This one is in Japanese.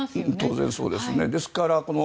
当然そうですね。